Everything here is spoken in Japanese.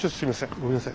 ごめんなさい。